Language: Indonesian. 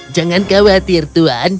jangan khawatir tuhan